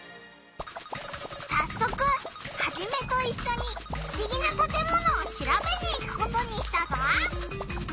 さっそくハジメといっしょにふしぎなたてものをしらべに行くことにしたぞ！